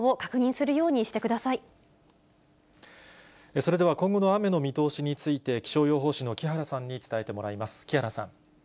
それでは今後の雨の見通しについて、気象予報士の木原さんに伝えてもらいます。